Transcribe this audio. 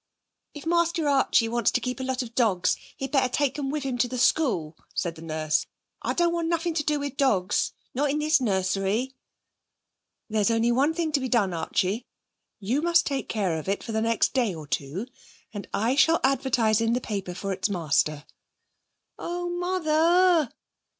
'If Master Archie wants to keep a lot of dogs, he had better take them with him to school,' said the nurse. 'I don't want nothing to do with no dogs, not in this nursery.' 'There's only one thing to be done, Archie; you must take care of it for the next day or two, and I shall advertise in the paper for its master.' 'Oh, mother!'